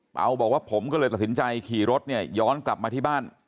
เปล่าบอกว่าผมก็เลยตัดสินใจขี่รถเนี่ยย้อนกลับมาที่บ้าน